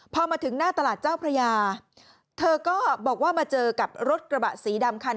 พอมาถึงหน้าตลาดเจ้าพระยาเธอก็บอกว่ามาเจอกับรถกระบะสีดำคัน